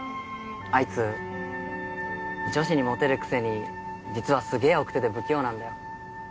あいつ女子にモテるくせに実はすげえ奥手で不器用なんだよ